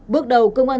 bước đầu công an